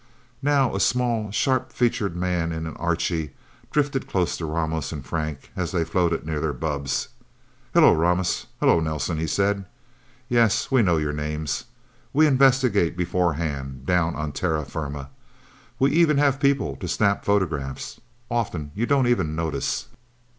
Now a small, sharp featured man in an Archie, drifted close to Ramos and Frank, as they floated near their bubbs. "Hello, Ramos, hello, Nelsen," he said. "Yes we know your names. We investigate, beforehand, down on terra firma. We even have people to snap photographs often you don't even notice.